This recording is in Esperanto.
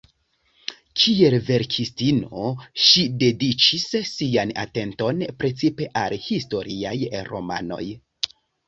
Kiel verkistino ŝi dediĉis sian atenton precipe al historiaj romanoj.